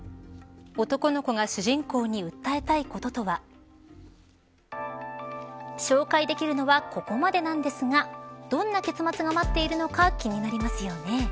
男の子が主人公に訴えたいこととは紹介できるのはここまでなんですがどんな結末が待っているのか気になりますよね。